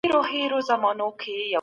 اقتصادي مرسته د ټولني د پرمختګ لامل ده.